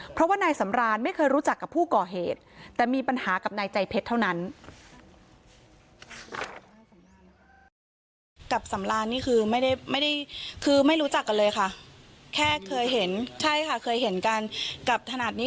เพราะว่านายสำรานไม่เคยรู้จักกับผู้ก่อเหตุแต่มีปัญหากับนายใจเพชรเท่านั้น